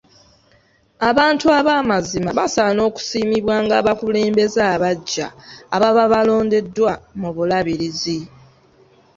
Abantu abamazima basaana okusiimibwa ng'abakulembeze abaggya ababa balondeddwa mu bulabirizi.